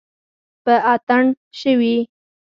په اتڼ شوي